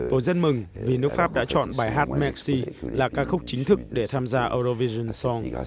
tôi rất mừng vì nước pháp đã chọn bài hát messi là ca khúc chính thức để tham gia eurovision south